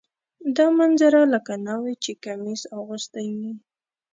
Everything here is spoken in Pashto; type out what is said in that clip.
دا منظره لکه ناوې چې کمیس اغوستی وي.